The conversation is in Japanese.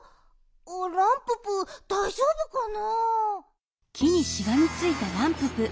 ランププだいじょうぶかな？